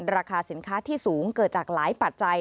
ราคาสินค้าที่สูงเกิดจากหลายปัจจัย